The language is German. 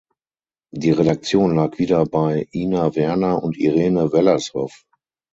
Die Redaktion lag wieder bei Ina Werner und Irene Wellershoff.